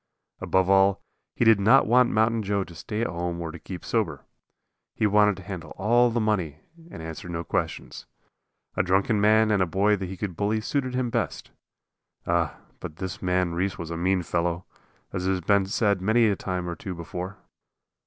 Above all, he did not want Mountain Joe to stay at home or keep sober. He wanted to handle all the money and answer no questions. A drunken man and a boy that he could bully suited him best. Ah, but this man Reese was a mean fellow, as has been said a time or two before.